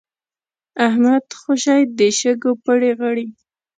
احمد خوشی د شګو پړي غړي.